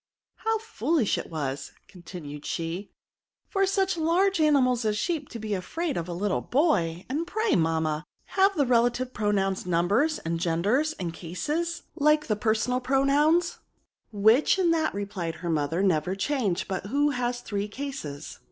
How foolish it was,*' continued she, ^' for such laige animals as sheep to be afiraid of a little boy ! And pray, mamma, have the relative pronouns numbers, and genders, and cases, like the personal pronouns V* Which and that,^* replied her mother, never change ; but who has the three cases.